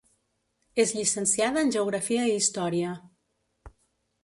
És llicenciada en geografia i història.